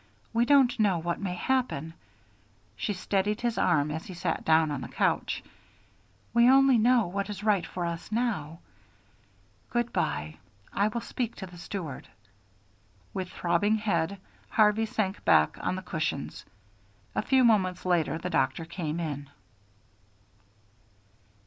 We don't know what may happen," she steadied his arm as he sat down on the couch; "we only know what is right for us now. Good by. I will speak to the steward." With throbbing head Harvey sank back on the cushions. A few moments later the doctor came in.